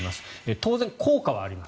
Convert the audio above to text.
当然、効果はあります。